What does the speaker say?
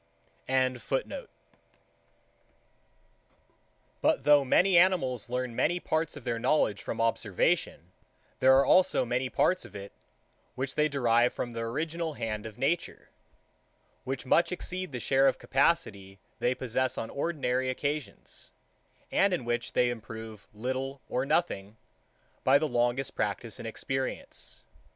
85. But though animals learn many parts of their knowledge from observation, there are also many parts of it, which they derive from the original hand of nature; which much exceed the share of capacity they possess on ordinary occasions; and in which they improve, little or nothing, by the longest practice and experience.